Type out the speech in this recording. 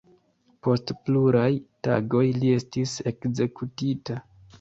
Post pluraj tagoj li estis ekzekutita.